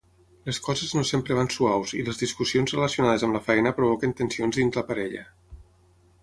Les coses no sempre van suaus i les discussions relacionades amb la feina provoquen tensions dins la parella.